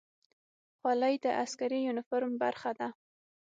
خولۍ د عسکري یونیفورم برخه ده.